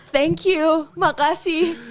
thank you makasih